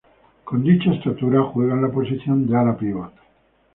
Con de estatura, juega en la posición de ala-pívot.